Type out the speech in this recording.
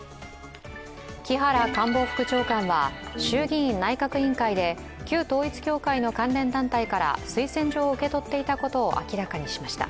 木原官房副長官は衆議院内閣委員会で旧統一教会の関連団体から推薦状を受け取っていたことを明らかにしました。